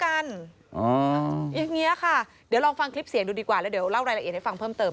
อะไรทำดูดีกว่าแล้วเล่าไล่ละเอียดให้ฟังเพิ่มเติม